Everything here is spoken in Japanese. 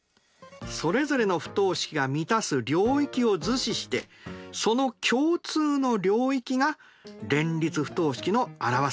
それぞれの不等式が満たす領域を図示してその共通の領域が連立不等式の表す領域です。